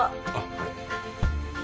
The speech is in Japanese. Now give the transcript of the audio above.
あっ。